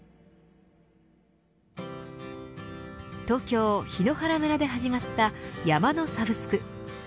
東京、檜原村で始まった山のサブスク。